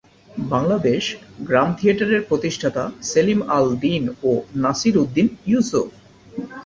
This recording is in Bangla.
বাংলাদেশ গ্রাম থিয়েটারের প্রতিষ্ঠাতা সেলিম আল দীন ও নাসির উদ্দীন ইউসুফ।